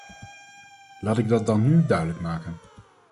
Laat ik dat dan nu duidelijk maken.